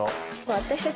私たち